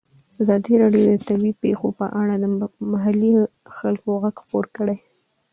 ازادي راډیو د طبیعي پېښې په اړه د محلي خلکو غږ خپور کړی.